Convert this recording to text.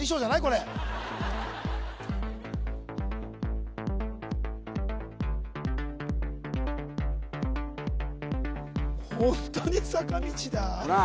これホントに坂道だほら